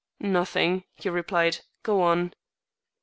"Nothing," he replied, "go on."